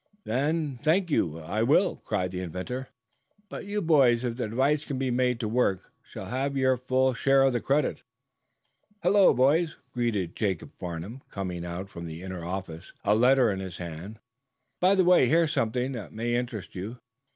"Then thank you, I will," cried the inventor, earnestly. "But you boys, if the device can be made to work, shall have your full share of the credit." "Hullo, boys," greeted Jacob Farnum, coming out from the inner office, a letter in his hands. "By the way, here's something that may interest you.